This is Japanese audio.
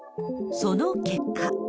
その結果。